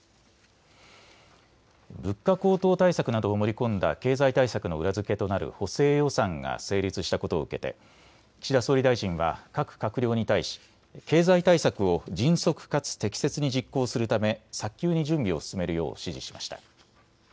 物価高騰対策などを盛り込んだ経済対策の裏付けとなる補正予算が成立したことを受けて岸田総理大臣は各閣僚に対し経済対策を迅速かつ適切に実行するため早急に準備を進めるよう指示しました。